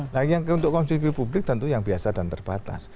nah yang untuk konsumsi publik tentu yang biasa dan terbatas